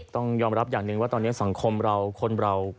ต้องยอมรับอย่างหนึ่งว่าตอนนี้สังคมเราคนเรา